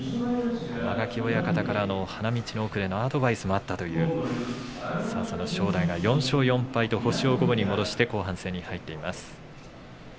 間垣親方からの花道ではアドバイスもあったという正代が４勝４敗と星を五分に戻して後半戦に入っていきます。